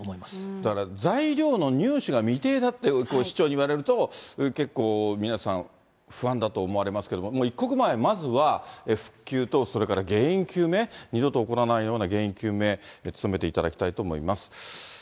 だから材料の入手が未定だって市長に言われると、結構、皆さん、不安だと思われますけども、もう一刻も早い、まずは復旧とそれから原因究明、二度と起こらないような原因究明に努めていただきたいと思います。